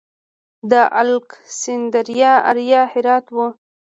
د الکسندریه اریا هرات و